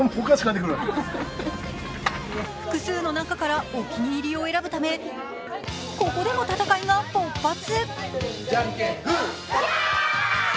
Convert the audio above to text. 複数の中からお気に入りを選ぶため、ここでも戦いが勃発。